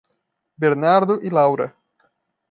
Bernardo e Laura